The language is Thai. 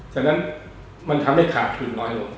ฉะนั้นมันทำให้ขาดทุนน้อยลง